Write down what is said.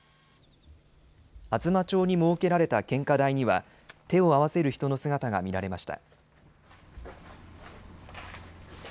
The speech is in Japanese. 厚真町に設けられた献花台には手を合わせる人の姿が見られました。